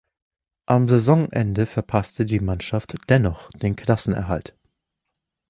Am Saisonende verpasste die Mannschaft dennoch den Klassenerhalt.